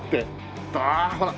ああほら。